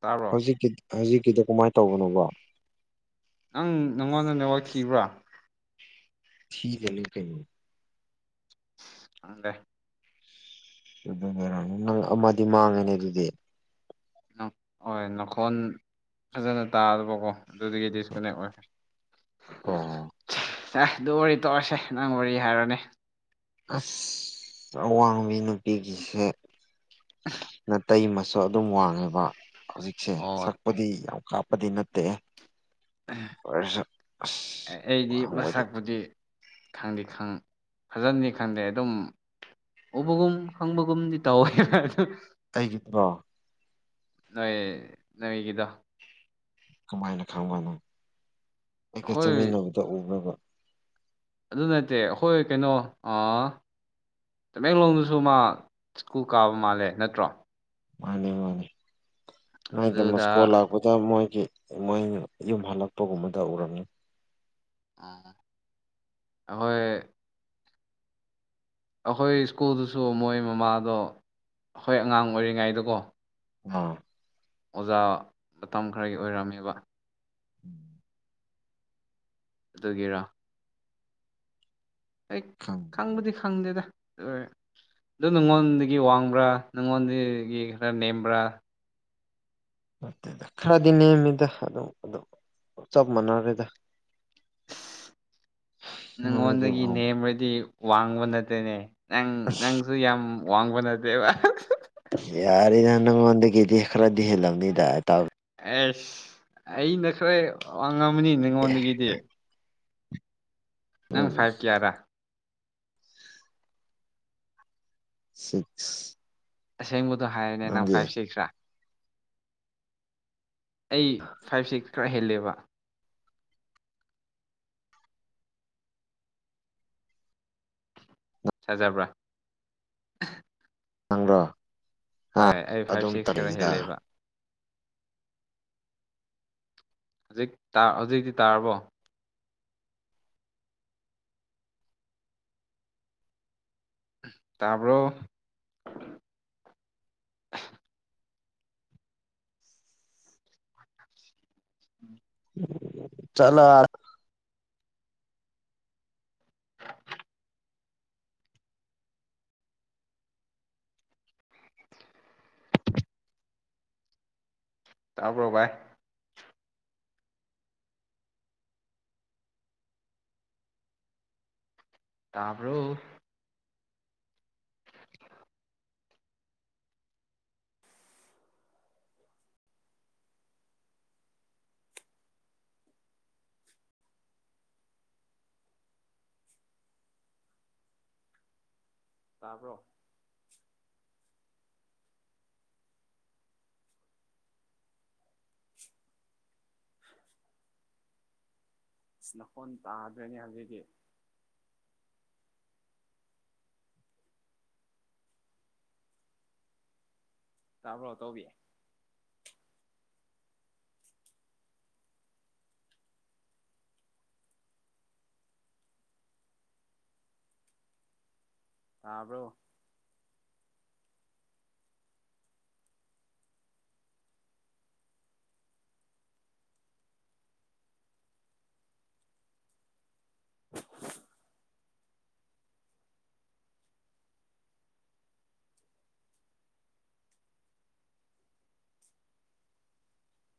ꯇꯥꯕ꯭ꯔꯣ ꯍꯧꯖꯤꯛꯀꯤ ꯍꯧꯖꯤꯛꯀꯤꯗꯣ ꯀꯃꯥꯏꯅ ꯇꯧꯕꯅꯣꯕ ꯅꯪ ꯅꯪꯉꯣꯟꯗ ꯅꯦꯠꯋꯥꯥꯛ ꯊꯤꯕ꯭ꯔꯥ [unintelligible] [unintelligible] ꯑꯗꯨꯔ ꯅꯪ ꯑꯃꯗꯤ ꯃꯥꯡꯉꯅꯤ ꯑꯗꯨꯗꯤ ꯍ ꯅꯈꯣꯟ ꯐꯖꯅ ꯇꯥꯗꯕꯀꯣ ꯑꯗꯨꯒꯤ ꯗꯤꯁꯀꯅꯦꯛ ꯑꯣꯏꯔꯦ ꯑꯣ ꯁ ꯑꯗꯨ ꯋꯥꯔꯤ ꯇꯧꯔꯁꯦ ꯅꯪ ꯋꯥꯔꯤ ꯍꯥꯏꯔꯣꯅꯦ ꯑꯁ ꯑꯋꯥꯡꯕꯤ ꯅꯨꯄꯤꯒꯤꯁꯦ ꯑ ꯇꯇꯩꯃꯁꯨ ꯑꯗꯨꯝ ꯋꯥꯡꯉꯦꯕ ꯍꯧꯖꯤꯛꯁꯦ ꯑꯣ ꯁꯛꯄꯗꯤ ꯌꯥꯝ ꯀꯥꯞꯄꯗꯤ ꯅꯠꯇꯦ ꯑꯣꯏꯔꯁꯨ ꯑꯁ ꯑꯩꯗꯤ ꯋꯥꯡꯕꯗꯤ ꯃꯁꯛꯄꯨꯗꯤ ꯈꯪꯗꯦ ꯐꯖꯅꯤ ꯈꯪꯗꯦ ꯑꯗꯨꯝ ꯎꯕꯒꯨꯝ ꯈꯪꯕꯒꯨꯝꯗꯤ ꯇꯧꯋꯦ ꯑꯩꯒꯤꯗꯣ ꯅꯣꯏ ꯅꯣꯏꯒꯤꯗꯣ ꯀꯃꯥꯏꯅ ꯈꯪꯕꯅꯣ ꯑꯩꯒ ꯑꯩꯈꯣꯏ ꯆꯥꯃꯤꯟꯅꯕꯗ ꯎ꯭ꯔꯕ ꯑꯗꯨ ꯅꯠꯇꯦ ꯑꯩꯈꯣꯏ ꯀꯩꯅꯣ ꯇꯃꯦꯡꯂꯣꯡꯗꯁꯨ ꯃꯥ ꯁ꯭ꯀꯨꯜ ꯀꯥꯕ ꯃꯥꯜꯂꯦ ꯅꯠꯇ꯭ꯔꯣ ꯃꯥꯅꯤ ꯃꯥꯅꯤ ꯑꯗꯨꯗ ꯅꯥꯏꯗꯃꯁꯀꯣꯜ ꯂ ꯗ ꯃꯣꯏꯒꯤ ꯃꯣꯏꯅ ꯌꯨꯝ ꯍꯜꯂꯛꯄꯒꯨꯝꯕꯗ ꯎꯔꯝꯃꯤ ꯑꯩꯈꯣꯏ ꯑꯩꯈꯣꯏ ꯁ꯭ꯀꯨꯜꯗꯨꯁꯨ ꯃꯣꯏ ꯃꯃꯥꯗꯣ ꯑꯩꯈꯣꯏ ꯑꯉꯥꯡ ꯑꯣꯏꯔꯤꯉꯩꯗꯀꯣ ꯑꯥ ꯑꯣꯖꯥ ꯃꯇꯝ ꯈꯔꯒꯤ ꯑꯣꯏꯔꯝꯃꯦꯕ ꯎꯝ ꯑꯗꯨꯒꯤꯔꯥ ꯑꯩ ꯈꯪ ꯈꯪꯕꯗꯤ ꯈꯪꯗꯦꯗ ꯑꯗꯨ ꯅꯉꯣꯟꯗꯒꯤ ꯋꯥꯡꯕ꯭ꯔꯥ ꯅꯪꯉꯣꯟꯗꯒꯤ ꯈꯔ ꯅꯦꯝꯕ꯭ꯔꯥ ꯅꯦꯗ ꯈꯔꯗꯤ ꯅꯦꯝꯃꯤꯗ ꯑꯗꯨꯝ ꯑꯗꯨ ꯆꯞ ꯃꯥꯟꯅꯔꯦꯗ ꯅꯉꯣꯟꯗꯒꯤ ꯅꯪꯉꯣꯟꯗꯒꯤ ꯋꯥꯡꯕ ꯅꯦꯝ꯭ꯔꯗꯤ ꯋꯥꯡꯕ ꯅꯠꯇꯦꯅꯦ ꯅꯪ ꯅꯪ ꯁꯨ ꯌꯥꯝ ꯋꯥꯡꯕ ꯅꯠꯇꯦꯕ ꯌꯥꯔ ꯅ ꯅꯪꯣꯟꯗꯒꯗꯤ ꯑꯦꯈ꯭ꯔꯗꯤꯍꯂꯅꯤꯗ ꯇꯥꯎ ꯑꯦꯁ ꯑꯩꯅ ꯈꯔ ꯋꯥꯡꯉꯝꯃꯅꯤ ꯅꯉꯣꯟꯗꯒꯤꯗꯤ ꯅꯪ ꯎꯝ ꯐꯥꯏꯚ ꯀꯤꯌꯥꯔꯥ ꯎ ꯑꯁꯦꯡꯕꯗꯣ ꯍꯥꯏꯔꯅꯦ ꯅꯪ ꯐꯥꯏꯚ ꯁꯤꯛꯁ ꯈꯔꯥ ꯑꯩ ꯐꯥꯏꯚ ꯁꯤ ꯈꯔ ꯍꯦꯜꯂꯦꯕ ꯁꯖꯕ꯭ꯔꯥ ꯅꯪꯕ꯭ꯔꯣ ꯍꯣꯏ ꯑ ꯑꯩ ꯐꯥꯏꯚ ꯑꯗꯨꯝ ꯁꯤꯛꯁ ꯈꯔ ꯇꯧꯔꯛꯏꯗ ꯍꯦꯜꯂꯦꯕ ꯍꯧꯖꯤꯛ ꯍꯧꯖꯤꯛꯇꯤ ꯇꯥꯔꯕꯣ ꯇꯥꯔꯕꯣ ꯎꯝ ꯆꯂꯣ ꯇꯥꯔꯕ꯭ꯔꯣ ꯚ ꯇꯥꯞ꯭ꯔꯣ [inaudible] ꯇꯥꯕ꯭ꯔꯣ ꯅꯀꯣꯟ ꯇꯥꯗ꯭ꯔꯅꯦ ꯍꯧꯖꯤꯛꯗꯤ ꯇꯥꯕ꯭ꯔꯣ ꯇꯧꯕꯤꯦ ꯇꯥꯕ꯭ꯔꯣ [inaudible]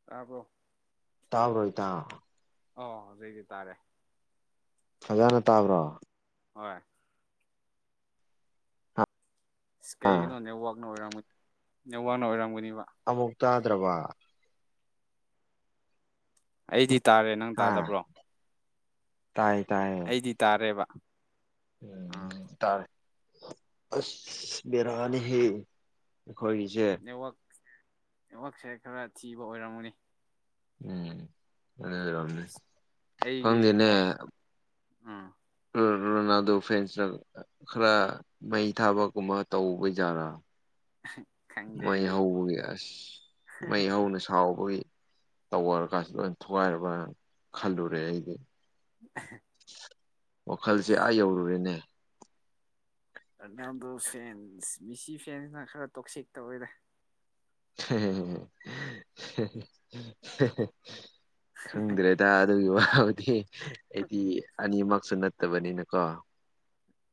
ꯑꯕꯣ ꯇꯥꯕ꯭ꯔꯣ ꯏꯇꯥꯎ ꯑꯣ ꯍꯧꯖꯤꯛ ꯇꯤ ꯇꯥꯔꯦ ꯐꯖꯅ ꯇꯥꯕ꯭ꯔꯣ ꯍꯣꯏ ꯍꯥ ꯑꯁ ꯀꯩꯒꯤꯅꯣ ꯅꯦꯠꯋꯥꯛꯅ ꯑꯣꯏꯔꯝꯒꯅꯤ ꯅꯦꯠꯋꯥꯛꯅ ꯑꯣꯏꯔꯝꯒꯅꯦꯕ ꯑꯃꯨꯛ ꯇꯥꯗ꯭ꯔꯕ ꯑꯩꯗꯤ ꯇꯥꯔꯦ ꯅꯪ ꯇꯥꯗꯕ꯭ꯔꯣ ꯇꯥꯏꯌꯦ ꯇꯥꯏꯌꯦ [unintelligible] ꯇꯥꯔꯦꯕ ꯎꯝ ꯑꯥ ꯇꯥꯔꯦ ꯑꯁ ꯕꯤꯔꯥꯅꯤꯍꯦ ꯑꯈꯣꯏꯁꯦ ꯅꯦꯠꯋꯥꯛ ꯅꯦꯠꯋꯥꯛꯁꯦ ꯈꯔ ꯊꯤꯕ ꯑꯣꯏꯔꯝꯒꯅꯤ ꯎꯝ ꯑꯗꯨ ꯑꯣꯏꯔꯝꯅꯤ ꯑꯩꯒꯤ ꯈꯪꯗꯦꯅꯦ ꯅꯦꯠꯋꯥꯛ ꯎꯝ ꯎꯝ ꯔꯣꯅꯥꯜꯗꯣ ꯐꯦꯟꯁ [unintelligible] ꯈꯔ ꯃꯩ ꯊꯥꯕꯒꯨꯝꯕ ꯇꯧꯕꯖꯥꯔꯥ ꯈꯪꯗꯦ ꯃꯩ ꯑꯗꯨ ꯍꯧꯕꯒꯤ ꯑꯁ ꯃꯩ ꯍꯧꯅ ꯁꯥꯎꯕꯒꯤ ꯇꯧꯋ ꯀꯥꯟꯁꯤ ꯂꯣꯏ ꯊꯨꯒꯥꯏꯔꯕꯅ ꯈꯜꯂꯨꯔꯦ ꯑꯩꯗꯤ [unintelligible] ꯋꯥꯈꯜꯁꯦ ꯑꯥ ꯌꯧꯔꯨꯔꯦꯅꯦ ꯔꯣꯅꯥꯜꯗꯣ ꯐꯦꯟꯁ ꯃꯤꯁꯤ ꯐꯦꯟꯁꯅ ꯈꯔ ꯇꯣꯛꯁꯤꯛ ꯇꯧꯑꯦꯗ ꯈꯪꯒ꯭ꯔꯦꯗ ꯑꯗꯨꯒꯤ ꯋꯥꯗꯤ ꯑꯩꯗꯤ ꯑꯅꯤꯃꯛꯁꯨ ꯅꯠꯇꯕꯅꯤꯅꯀꯣ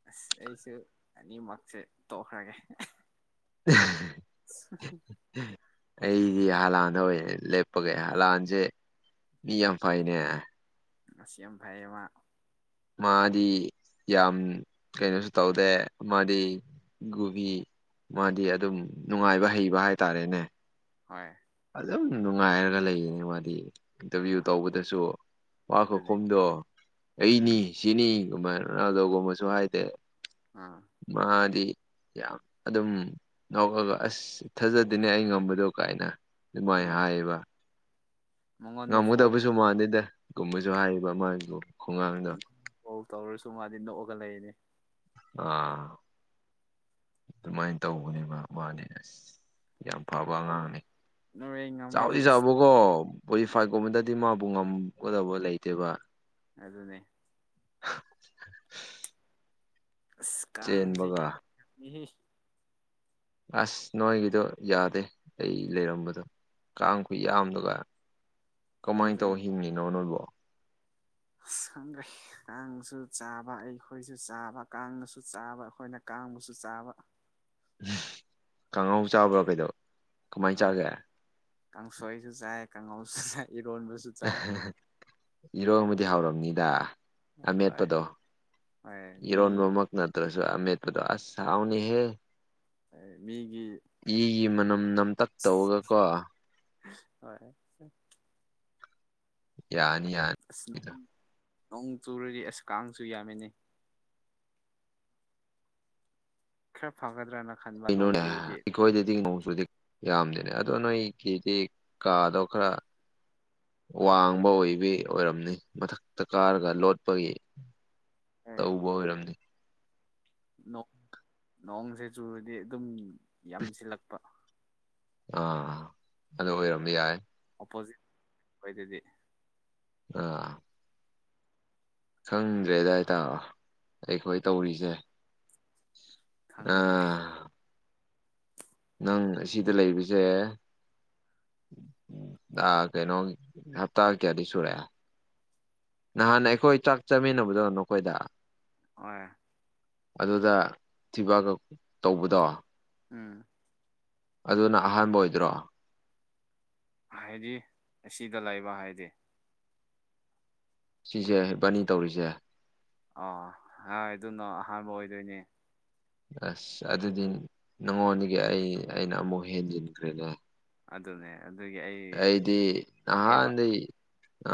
ꯑꯁ ꯑꯩꯁꯨ ꯑꯅꯤꯃꯛꯁꯦ ꯇꯣꯛꯈ꯭ꯔꯒꯦ [unintelligible] ꯑꯁ [unintelligible] ꯑꯩꯗꯤ ꯍꯂꯥꯟꯗ ꯑꯣꯏꯅ ꯂꯦꯞꯄꯒꯦ ꯍꯂꯥꯟꯁꯦ ꯃꯤ ꯌꯥꯝ ꯐꯩꯅꯦ ꯑꯁ ꯌꯥꯝ ꯐꯩ ꯃꯥ ꯃꯥꯗꯤ ꯌꯥꯝ ꯀꯩꯅꯣꯁꯨ ꯇꯧꯗꯦ ꯃꯥꯗꯤ ꯒꯨꯕꯤ ꯃꯥꯗꯤ ꯑꯗꯨꯝ ꯅꯨꯡꯉꯥꯏꯕ ꯍꯩꯕ ꯍꯥꯏꯇꯥꯔꯦꯅꯦ ꯍꯣꯏ ꯑꯗꯨꯝ ꯅꯨꯡꯉꯥꯏꯔꯒ ꯂꯩꯌꯦꯅꯦ ꯃꯥꯗꯤ ꯏꯟꯇꯔꯕꯤꯌꯨ ꯇꯧꯕꯗꯁꯨ ꯋꯥ ꯑꯗꯨꯅꯤ ꯈꯨꯈꯨꯝꯗꯣ ꯎꯝ ꯑꯩꯅꯤ ꯁꯤꯅꯤ ꯒꯨꯝꯃꯥꯏꯅ ꯔꯣꯅꯥꯜꯗꯣꯒꯨꯝꯅꯁꯨ ꯍꯥꯏꯗꯦ ꯎꯝ ꯃꯥꯗꯤ ꯌꯥꯝ ꯑꯗꯨꯝ ꯅꯣꯛꯑꯒ ꯑꯁ ꯊꯥꯖꯗꯅꯦ ꯑꯩ ꯉꯝꯕꯗꯣ ꯀꯥꯏꯅ ꯑꯗꯨꯃꯥꯏꯅ ꯍꯣꯏ ꯍꯥꯏꯌꯦꯕ ꯃꯉꯣꯟꯗ ꯐꯣꯜ ꯉꯝꯒꯗꯕꯁꯨ ꯃꯥꯟꯗꯦꯗ ꯒꯨꯝꯕꯁꯨ ꯍꯥꯏꯌꯦꯕ ꯃꯥꯒꯤ ꯈꯨꯒꯥꯡꯗꯣ ꯇ꯭ꯔꯣꯜ ꯇꯧꯔꯁꯨ ꯃꯥꯗꯤ ꯅꯣꯛꯑꯒ ꯂꯩꯅꯦ ꯑꯥ ꯑꯗꯨꯃꯥꯏꯅ ꯇꯧꯕꯅꯦꯕ ꯃꯥꯗꯤ ꯑꯁ ꯌꯥꯝ ꯐꯕ ꯑꯉꯥꯡꯅꯤ ꯅꯣꯔꯋꯦ ꯉꯝꯔꯗꯤ ꯆꯥꯎꯗꯤ ꯑꯁ ꯆꯥꯎꯕ ꯀꯣ ꯀꯣꯂꯤꯐꯥꯏꯒꯨꯝꯕꯗꯗꯤ ꯃꯥꯕꯨ ꯉꯝꯒꯗꯕ ꯂꯩꯇꯦꯕ ꯑꯗꯨꯅꯤ ꯑꯁ ꯀꯥꯡꯁꯦ ꯆꯦꯟꯕꯒ ꯌꯥꯝꯃꯤꯍꯦ ꯑꯁ ꯅꯣꯏꯒꯤꯗꯣ ꯌꯥꯗꯦ ꯑꯩ ꯂꯩꯔꯝꯕꯗꯣ ꯀꯥꯡ ꯈꯨꯨꯌꯥꯝꯗꯨꯒ ꯀꯃꯥꯏꯅ ꯑꯗꯨꯅꯤ ꯇꯧꯔ ꯍꯤꯡꯉꯤꯅꯣ ꯅꯣꯏꯕꯣ ꯑꯁ ꯈꯪꯗ꯭ꯔꯦ ꯀꯥꯡꯁꯨ ꯆꯥꯕ ꯑꯈꯣꯏꯁꯨ ꯆꯥꯕ ꯀꯥꯡꯅꯁꯨ ꯆꯥꯕ ꯑꯈꯣꯏꯅ ꯀꯥꯡꯕꯨꯁꯨ ꯆꯥꯕ ꯀꯥꯡꯉꯧ ꯆꯥꯕ꯭ꯔ ꯀꯩꯅꯣ ꯀꯃꯥꯏꯅ ꯆꯥꯒꯦ ꯀꯥꯡꯁꯣꯏꯖꯨ ꯆꯥꯏ ꯀꯥꯡꯉꯧꯁꯨ ꯆꯥꯏ ꯏꯔꯣꯟꯕꯁꯨ ꯆꯥꯏ ꯏꯔꯣꯟꯕꯗꯤ ꯍꯥꯎꯔꯝꯅꯤꯗ꯫ ꯍꯣꯏ ꯑꯃꯦꯠꯄꯗꯣ ꯍꯣꯏ ꯃꯤ ꯏꯔꯣꯟꯕꯃꯛ ꯅꯠꯇ꯭ꯔꯁꯨ ꯑꯃꯦꯠꯄꯗꯣ ꯑꯁ ꯍꯥꯎꯅꯤꯍꯦ꯫ ꯃꯤꯒꯤ ꯏꯒꯤ ꯃꯅꯝ ꯅꯝꯇꯛ ꯇꯧꯔꯒ ꯀꯣ ꯍꯣꯏ ꯌꯥꯅꯤ ꯌꯥꯅꯤ ꯑꯁ ꯅ ꯅꯣꯡ ꯆꯨꯔꯗꯤ ꯑꯁ ꯀꯥꯡꯁꯨ ꯌꯥꯝꯃꯤꯅꯦ꯫ ꯈꯔ ꯐꯒꯗ꯭ꯔꯅ ꯈꯟꯕ ꯅꯣꯡꯆꯨꯔꯗꯤ꯫ ꯑꯈꯣꯏꯗꯗꯤ ꯅꯣꯡꯆꯨꯗꯦ ꯌꯥꯝꯗꯦꯅꯦ ꯑꯗꯣ ꯅꯣꯏꯒꯤꯗꯤ ꯀꯥꯗꯣ ꯈꯔ ꯋꯥꯡꯕ ꯑꯣꯏꯕꯤ ꯑꯣꯏꯔꯝꯅꯤ ꯃꯊꯛꯇ ꯀꯥꯔꯒ ꯂꯣꯠꯄꯒꯤ꯫ ꯇꯧꯕ ꯑꯣꯏꯔꯝꯅꯤ꯫ ꯅꯣ ꯅꯣꯡꯁꯦ ꯆꯨꯔꯗꯤ ꯑꯗꯨꯝ ꯌꯥꯝꯁꯤꯜꯂꯛꯄ꯫ ꯑꯥ ꯑꯗꯨ ꯑꯣꯏꯔꯝꯕ ꯌꯥꯏ ꯑꯣꯄꯣꯖꯤꯠ ꯑꯣꯏꯗꯗꯤ ꯑꯥ ꯈꯪꯗ꯭ꯔꯦꯗ ꯏꯇꯥꯎ ꯑꯩꯈꯣꯏ ꯇꯧꯔꯤꯁꯦ꯫ ꯈꯪꯗ꯭ꯔꯦ ꯑꯥ ꯅꯪ ꯑꯁꯤꯗ ꯂꯩꯕꯁꯦ ꯑ ꯀꯩꯅꯣ ꯍꯞꯇꯥ ꯀꯌꯥꯗꯤ ꯁꯨꯔꯦ꯫ ꯅꯍꯥꯟ ꯑꯩꯈꯣꯏ ꯆꯥꯛ ꯆꯥꯃꯤꯟꯅꯕꯗꯣ ꯅꯣꯈꯣꯏꯗ꯫ ꯑꯣꯏ ꯑꯗꯨꯗ ꯊꯤꯕꯥꯛ ꯇꯧꯕꯗꯣ꯫ ꯎꯝ ꯑꯗꯨꯅ ꯑꯍꯥꯟꯕ ꯑꯣꯏꯗ꯭ꯔꯣ ꯍꯥꯏꯗꯤ ꯑꯁꯤꯗ ꯂꯩꯕ ꯍꯥꯏꯗꯤ ꯁꯤꯖꯦ ꯏꯕꯅꯤ ꯇꯧꯔꯤꯖꯦ ꯑꯣ ꯍ ꯑꯗꯨꯅꯣ ꯑꯍꯥꯟꯕ ꯑꯣꯏꯗꯣꯏꯅꯦ꯫ ꯑꯁ ꯑꯗꯨꯗꯤ ꯅꯪꯉꯣꯟꯗꯒꯤ ꯑꯩ ꯑꯩꯅ ꯑꯃꯨꯛ ꯍꯦꯟꯖꯤꯟꯈ꯭ꯔꯦꯅꯦ꯫ ꯑꯗꯨꯅꯦ ꯑꯗꯨꯒꯤ ꯑꯩ ꯑꯩꯗꯤ ꯉꯥꯛꯑꯦꯕ ꯅꯍꯥꯟꯗꯩ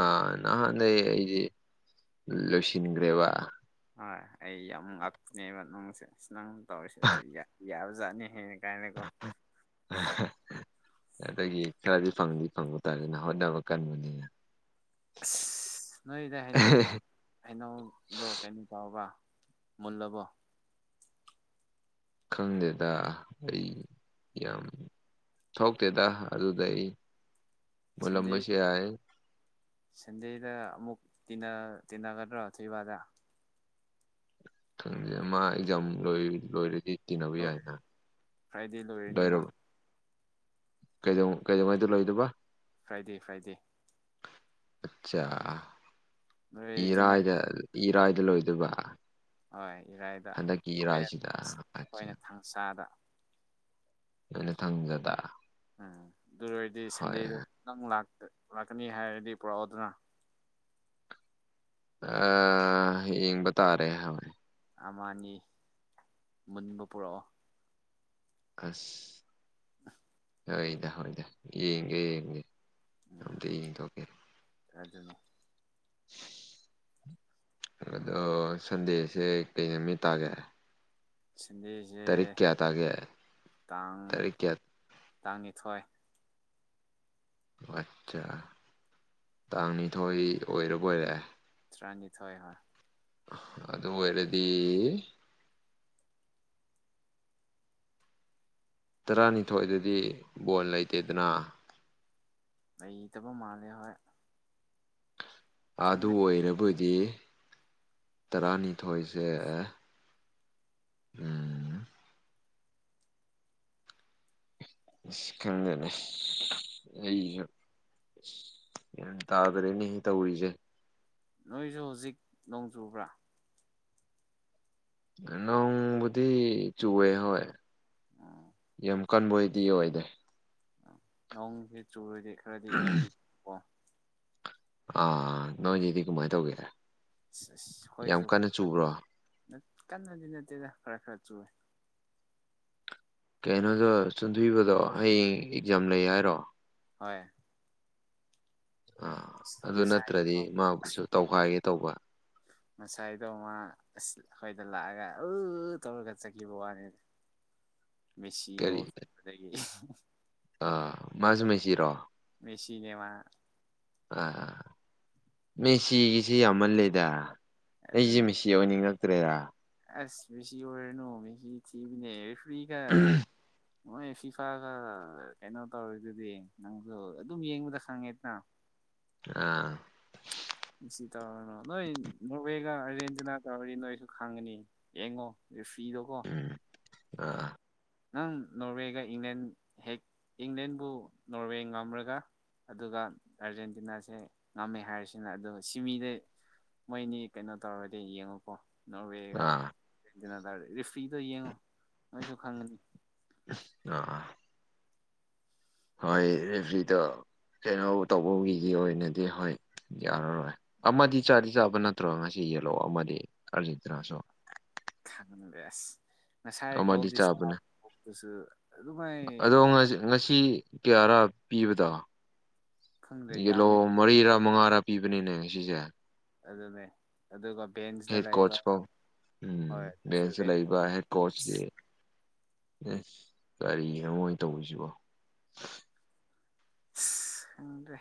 ꯑꯥ ꯅꯍꯥꯟꯗꯩ ꯑꯩꯗꯤ ꯂꯣꯏꯁꯤꯟꯒ꯭ꯔꯦꯕ꯫ ꯍꯣꯏ ꯑꯩ ꯌꯥꯝ ꯉꯥꯛꯅꯦꯕ ꯅꯨꯡꯁꯦ ꯑ ꯅꯪ ꯇꯧꯔꯤꯁꯦ ꯑꯗꯨ ꯌꯥ ꯌꯥꯕꯖꯥꯠꯅꯤ ꯍꯦ꯫ ꯀꯥꯏꯅꯀꯣ ꯑꯗꯒꯤ ꯈꯔꯗꯤ ꯐꯪꯗꯤ ꯐꯪꯕ ꯇꯥꯔꯦꯅ ꯍꯣꯠꯅꯕ ꯀꯟꯕꯅꯤꯅ꯫ ꯑꯁ ꯅꯣꯏꯗ ꯍꯩꯅꯧ ꯍꯩꯅꯧꯗꯣ ꯀꯩꯅꯣ ꯇꯥꯎꯕ ꯃꯨꯜꯂꯕꯣ꯫ ꯈꯪꯗꯦꯗ ꯑꯩ ꯌꯥꯝ꯫ ꯊꯣꯛꯇꯦꯗ ꯑꯗꯨꯗ ꯑꯩ ꯁꯟꯗꯦ ꯃꯨꯜꯂꯝꯕꯁꯨ ꯌꯥꯏ꯫ ꯁꯟꯗꯦꯗ ꯑꯃꯨꯛ ꯇꯤꯅ ꯇꯤꯟꯅꯒꯗ꯭ꯔꯣꯊꯣꯏꯕꯗ꯫ ꯈꯪꯗꯦ ꯃꯥ ꯑꯦꯛꯖꯥꯝ ꯂꯣꯏ ꯂꯣꯏꯔꯗꯤ ꯇꯤꯟꯅꯕ ꯌꯥꯏꯅ꯫ ꯐ꯭ꯔꯥꯗꯩ ꯂꯣꯏꯔꯅꯤꯃ꯫ ꯂꯣꯏꯔꯕ ꯀꯩꯗꯧ ꯀꯩꯗꯧꯉꯩꯗ ꯂꯣꯏꯗꯕ ꯐ꯭ꯔꯥꯏꯗꯦ ꯐ꯭ꯔꯥꯏꯗꯦ ꯑꯆꯥ ꯅꯣꯏ ꯇꯤꯟꯅꯔ ꯏꯔꯥꯏꯗ ꯏꯔꯥꯏꯗ ꯂꯣꯏꯗꯣꯏꯕ ꯍꯣꯏ ꯏꯔꯥꯏꯗ ꯍꯟꯗꯛꯀꯤ ꯏꯔꯥꯏꯁꯤꯗ ꯑꯠꯆ꯫ ꯁꯥꯗ ꯑꯗꯨꯅ ꯊꯪꯖꯗ ꯎꯝ ꯑꯗꯨ ꯑꯣꯏꯔꯗꯤ ꯁꯟꯗꯦꯗ ꯅꯪ ꯂꯥꯛꯇ ꯂꯥꯛꯀꯅꯤ ꯍꯥꯏꯔꯗꯤ ꯄꯨꯔꯛꯑꯣꯗꯅ꯫ ꯑ ꯌꯦꯡꯕ ꯇꯥꯔꯦ ꯍꯥꯏ ꯑꯃꯅꯤ ꯃꯨꯟꯕ ꯄꯨꯔꯛꯑꯣ ꯈꯁ ꯑ [unintelligible] ꯍꯣꯏꯗ ꯍꯣꯏꯗ ꯌꯦꯡꯒꯦ ꯌꯦꯡꯒꯦ ꯎꯝ ꯑꯝꯇ ꯌꯦꯡꯊꯣꯛꯀꯦ ꯑꯗꯨꯅꯤ ꯑꯗꯣ ꯁꯟꯗꯦꯁꯦ ꯀꯩ ꯅꯨꯃꯤꯠ ꯇꯥꯒꯦ꯫ ꯁꯟꯗꯦ ꯇꯔꯤꯛ ꯀꯌꯥ ꯇꯥꯒꯦ ꯇꯥꯔꯤꯛ ꯀꯌꯥ ꯇꯥꯡ ꯅꯤꯊꯣꯏ ꯑꯣ ꯑꯠꯆꯥ ꯇꯥꯡ ꯅꯤꯊꯣꯏ ꯑꯣꯏꯔꯕ ꯑꯣꯏꯔꯦ ꯇ꯭ꯔꯥꯅꯤꯊꯣꯏ ꯍꯥ ꯑꯗꯨ ꯑꯣꯏꯔꯗꯤ ꯇꯔꯥꯅꯤꯊꯣꯏꯗꯗꯤ ꯕꯣꯜ ꯂꯩꯇꯦꯗꯅ ꯂꯩꯇꯕ ꯃꯥꯜꯂꯦ ꯍꯣꯏ ꯑꯗꯨ ꯈꯪꯗꯦ ꯑꯣꯏꯔꯕꯨꯗꯤ ꯇꯔꯥꯅꯤꯊꯣꯏꯁꯦ ꯎ‌ꯝ ꯑꯁ ꯈꯪꯗꯦꯅꯦ ꯑꯩꯁꯨ ꯒꯤꯌ꯭ꯥꯟ ꯇꯥꯗ꯭ꯔꯦꯅꯦꯍꯦ ꯇꯧꯔꯤꯁꯦ ꯅꯣꯏꯁꯨ ꯍꯧꯖꯤꯛ ꯅꯣꯡ ꯆꯨꯕ꯭ꯔꯥ ꯅꯣꯡꯕꯨꯗꯤ ꯆꯨꯋꯦ ꯍꯣꯏ ꯎꯝ ꯌꯥꯝ ꯀꯟꯕ ꯑꯣꯏꯗꯤ ꯑꯣꯏꯗꯦ ꯅꯣꯡꯁꯦ ꯆꯨꯔꯗꯤ ꯈꯔꯗꯤ ꯏꯪꯉꯤ ꯀꯣ ꯑꯥ ꯅꯣꯏꯒꯤꯗꯤ ꯀꯃꯥꯏꯅ ꯇꯧꯒꯦ ꯑꯁ ꯑꯁ ꯌꯥꯝ ꯑꯩꯈꯣꯏꯁꯨ ꯀꯟꯅ ꯈꯔ ꯆꯨꯕ꯭ꯔꯣ ꯈꯔ ꯀꯟꯅꯗꯤ ꯅꯠꯇꯦꯗ ꯈꯔ ꯈꯔ ꯆꯨꯋ‌ꯦ ꯀꯩꯅꯣꯗꯣ ꯆꯨꯝꯊꯤꯕꯗꯣ ꯍꯌꯦꯡ ꯑꯦꯛꯖꯥꯝ ꯂꯩ ꯍꯥꯏꯔꯣ ꯍꯣꯏ ꯑꯥ ꯑꯗꯨ ꯉꯁꯥꯏ ꯅꯠꯇ꯭ꯔꯗꯤ ꯃꯥꯕꯨꯁꯨ ꯇꯧꯈꯥꯏꯒꯦ ꯇꯧꯕ ꯉꯁꯥꯏꯗꯣ ꯃꯥ ꯑꯁ ꯑꯩꯈꯣꯏꯗ ꯂꯥꯛꯑꯒ ꯎꯜ [unintelligible] ꯇꯧꯔꯒ ꯆꯠꯈꯤꯕ ꯋꯥꯅꯤꯗ ꯃꯦꯁꯤ ꯀꯔꯤ ꯒꫭꯜ ꯆꯟꯕꯗꯒꯤ ꯑꯥ ꯃꯥꯁꯨ ꯃꯤꯁꯤꯔꯣ ꯃꯦꯁꯤꯅꯦ ꯃꯥ ꯑ ꯃꯦꯁꯤꯒꯤꯁꯤ ꯌꯥꯝꯃꯜꯂꯦꯗ ꯑꯩꯁꯨ ꯑꯗꯨꯅꯦ ꯃꯤꯁꯤ ꯑꯣꯏꯅꯤꯡꯉꯛꯇ꯭ꯔꯦꯗꯥ ꯑꯁ ꯃꯦꯁꯁꯤ ꯑꯣꯏꯔꯨꯅꯣ ꯃꯤꯁꯤ ꯊꯤꯕꯅꯦ ꯔ‌ꯦꯐꯔꯤꯒ ꯃꯣꯏ ꯐꯤꯐꯥꯒ ꯀꯩꯅꯣ ꯇꯧꯔꯤꯗꯨꯗꯤ ꯅꯪꯁꯨ ꯑꯗꯨꯝ ꯌꯦꯡꯕꯗ ꯈꯪꯉꯦꯗꯅ ꯑꯥ ꯃꯤꯁꯤ ꯇꯧꯔꯅꯨ ꯅꯣꯏ ꯅꯣꯔꯋꯦꯒ ꯑꯥꯔꯖꯦꯟꯇꯤꯅꯥ ꯇꯧꯔꯗꯤ ꯅꯣꯏꯁꯨ ꯈꯪꯉꯅꯤ ꯌꯦꯡꯉꯣ ꯔꯦꯐꯔꯤꯗꯣꯀꯣ ꯎꯝ ꯑ ꯅꯪ ꯅꯣꯔꯋꯦꯒ ꯏꯪꯂꯦꯟ ꯍꯦꯛ ꯏꯪꯂꯦꯟꯕꯨ ꯅꯣꯔꯋꯦ ꯉꯝꯔꯒ ꯑꯗꯨꯒ ꯑꯥꯔꯖꯦꯟꯇꯤꯅꯥꯁꯦ ꯉꯝꯃꯦ ꯍꯥꯏꯔꯁꯤꯅ ꯑꯗꯨꯒ ꯁꯤꯃꯤꯗ ꯃꯣꯏꯅꯤ ꯀꯩꯅꯣ ꯇꯧꯔꯒꯗꯤ ꯌꯦꯡꯉꯨꯀꯣ ꯅꯣꯔꯋꯦꯒ ꯑꯥ ꯑꯔꯖꯟꯇꯤꯅ ꯇꯔꯗꯤ ꯔꯤꯐ꯭ꯔꯤꯗꯣ ꯌꯦꯡꯉꯣ ꯅꯣꯏꯁꯨ ꯈꯪꯒꯅꯤ ꯑ ꯍꯣꯏ ꯔꯦꯐ꯭ꯔꯤꯗꫭ ꯀꯩꯅꯣ ꯇꯧꯕꯒꯤ ꯑꯣꯏꯅꯗꯤ ꯍꯣꯏ ꯌꯥꯔꯔꯣꯏ ꯑꯃꯗꯤ ꯆꯥꯗꯤ ꯆꯥꯕ ꯅꯠꯇ꯭ꯔꯣ ꯉꯁꯤ ꯌꯦꯜꯂꯣ ꯑꯃꯗꯤ ꯑꯔꯖꯦꯟꯇꯤꯅꯁꯨ ꯈꯪꯗꯦ ꯑꯁ ꯉꯁꯥꯏ ꯑꯃꯗꯤ ꯒꯣꯜ ꯆꯥꯕꯅꯦ ꯏꯁꯇꯥꯁꯨ [unintelligible] ꯑꯗꯣ ꯑꯗꯨꯃꯥꯏ ꯉꯁꯤ ꯀꯌꯥꯔꯥ ꯄꯤꯕꯗꯣ ꯈꯪꯗꯦ ꯌꯦꯜꯂꯣ ꯌꯥꯝꯃꯦ ꯃꯔꯤꯔꯥ ꯃꯉꯥꯔꯥ ꯄꯤꯕꯅꯤꯅꯦ ꯉꯁꯤꯁꯦ ꯑꯗꯨꯅꯦ ꯑꯗꯨꯒ ꯕꯦꯟꯁꯗ ꯍꯦꯠ ꯀꯣꯆ ꯂꯩꯕꯒ ꯐꯥꯎ ꯎꯝ ꯕꯦꯟꯁꯇ ꯂꯩꯕ ꯍꯦꯗ ꯀꯣꯆꯀꯤ ꯏꯁ ꯀꯔꯤꯅꯣ ꯃꯣꯏ ꯇꯧꯔꯤꯁꯤꯕꯣ ꯑꯁ ꯈꯪꯗ꯭ꯔꯦ